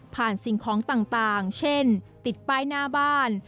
สิ่งของต่างเช่นติดป้ายหน้าบ้าน